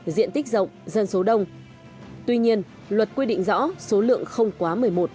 diện tích rộng dân số đông tuy nhiên luật quy định rõ số lượng không quá một mươi một